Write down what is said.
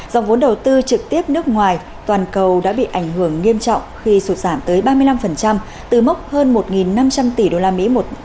dòng vốn đầu tư trực tiếp nước ngoài toàn cầu đã bị ảnh hưởng nghiêm trọng khi sụt giảm tới ba mươi năm từ mốc hơn một năm trăm linh tỷ usd một năm hai nghìn một mươi chín